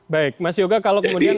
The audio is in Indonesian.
baik mas yoga kalau kemudian